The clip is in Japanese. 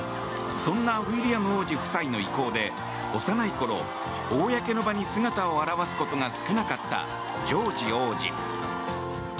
そんなウィリアム王子夫妻の意向で幼いころ、公の場に姿を現すことが少なかったジョージ王子。